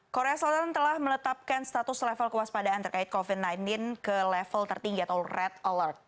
korea selatan telah meletakkan status level kewaspadaan terkait covid sembilan belas ke level tertinggi atau red alert